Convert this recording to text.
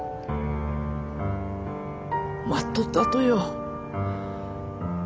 待っとったとよ。